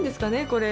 これ。